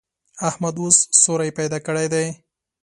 احمد اوس سوری پیدا کړی دی.